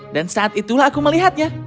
dan saat itulah aku melihatnya